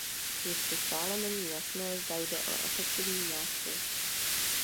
Ještě stále není jasné, zda jde o efektivní nástroj.